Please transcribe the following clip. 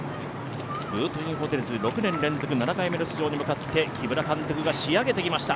ルートインホテルズ６年連続７回目の出場に向かって木村監督が仕上げてきました。